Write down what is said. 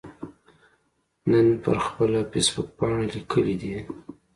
نن پر خپله فیسبوکپاڼه لیکلي دي